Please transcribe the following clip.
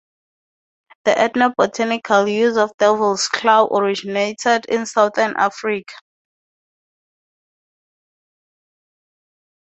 The ethnobotanical use of devil's claw originated in southern Africa.